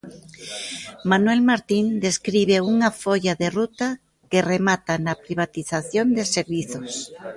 Manuel Martín describe unha folla de ruta que remata na privatización de servizos.